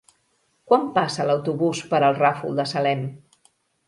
Quan passa l'autobús per el Ràfol de Salem?